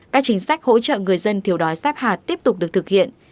các chính sách hỗ trợ người dân thiếu đói sát hạt tiếp tục được thực hiện